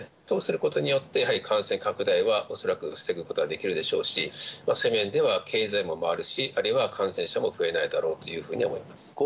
そうすることによって、やはり感染拡大は恐らく防ぐことはできるでしょうし、そういう面では経済も回るし、あるいは感染者も増えないだろうというふうに思います。